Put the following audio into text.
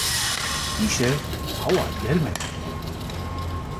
Îşev hewa germ e.